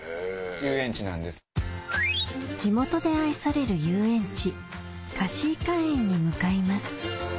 地元で愛される遊園地かしいかえんに向かいます